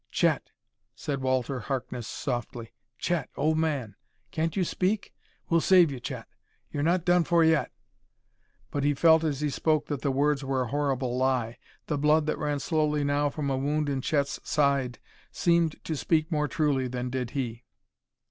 "Chet," said Walter Harkness softly. "Chet, old man can't you speak? We'll save you, Chet; you're not done for yet." But he felt as he spoke that the words were a horrible lie; the blood that ran slowly now from a wound in Chet's side seemed to speak more truly than did he.